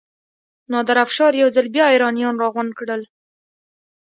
نادر افشار یو ځل بیا ایرانیان راغونډ کړل.